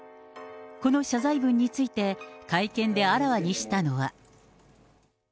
この謝罪文について、会見であらわにしたのは。